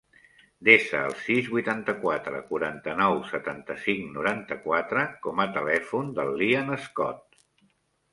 Desa el sis, vuitanta-quatre, quaranta-nou, setanta-cinc, noranta-quatre com a telèfon del Lian Scott.